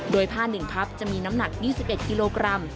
โดยผ้า๑พับจะมีน้ำหนัก๒๑กิโลกรัม